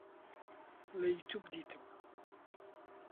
لە یوتیوب دیتم